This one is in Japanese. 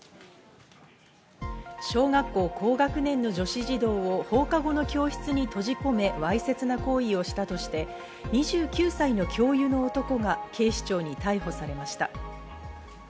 小学校高学年の女子児童を放課後の教室に閉じ込め、わいせつな行為をしたとして、２９歳の教諭の男が警視庁に逮捕されました。